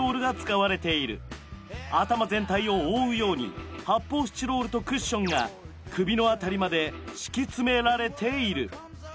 頭全体を覆うように発泡スチロールとクッションが首の辺りまで敷き詰められている。